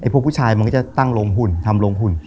พวกผู้ชายมันก็จะตั้งลงหุ่นทำลงหุ่น